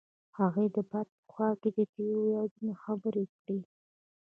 هغوی د باد په خوا کې تیرو یادونو خبرې کړې.